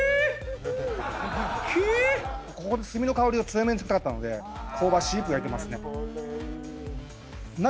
ここで炭の香りを強めに付けたかったので香ばしく焼いてますね